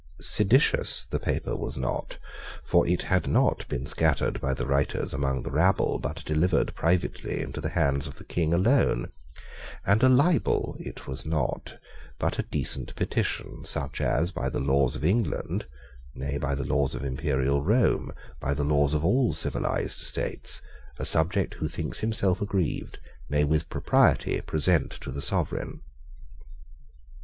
Seditious the paper was not; for it had not been scattered by the writers among the rabble, but delivered privately into the hands of the King alone: and a libel it was not, but a decent petition such as, by the laws of England, nay, by the laws of imperial Rome, by the laws of all civilised states, a subject who thinks himself aggrieved may with propriety present to the sovereign.